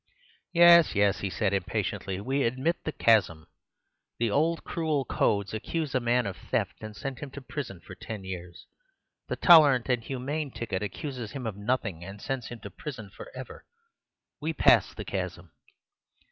"Yes, yes," he said impatiently, "we admit the chasm. The old cruel codes accuse a man of theft and send him to prison for ten years. The tolerant and humane ticket accuses him of nothing and sends him to prison for ever. We pass the chasm."